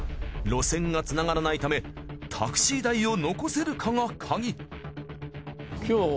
路線がつながらないためタクシー代を残せるかがカギ。